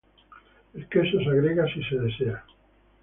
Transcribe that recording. El queso se agrega sí se desea.